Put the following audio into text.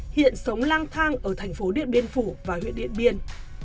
hiện sống lang thang ở thành phố điện biên phủ và huyện điện biên